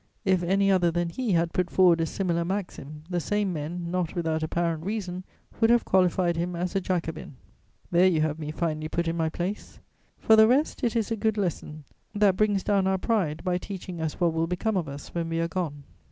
If any other than he had put forward a similar maxim, the same men, not without apparent reason, would have qualified him as a Jacobin." There you have me finely put in my place. For the rest, it is a good lesson; that brings down our pride, by teaching us what will become of us when we are gone.